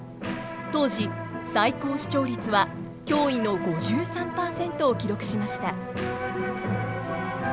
当時最高視聴率は驚異の５３％を記録しました。